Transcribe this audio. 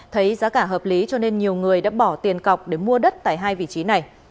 thấy giá cả hợp lý cho nên nhiều người đã bỏ tiền cọc để mua đất tại hai vị trí này